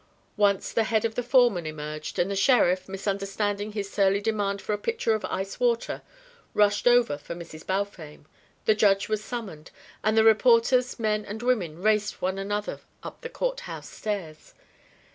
Once the head of the foreman emerged, and the sheriff, misunderstanding his surly demand for a pitcher of ice water, rushed over for Mrs. Balfame, the Judge was summoned, and the reporters, men and women, raced one another up the Court house stairs.